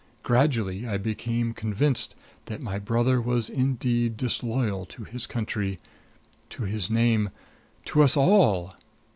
Gradually I became convinced that my brother was indeed disloyal to his country, to his name, to us all.